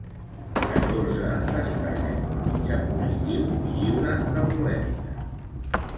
Catorze destaca com a mitjà positiu i lliure de polèmiques.